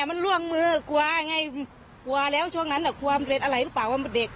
มันล่วงมือกลัวไงกลัวแล้วช่วงนั้นแหละความเร็ดอะไรหรือเปล่าว่าเมื่อเด็ก